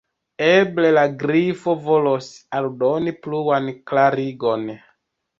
Eble la Grifo volos aldoni pluan klarigon.